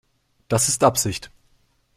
Das ist Absicht.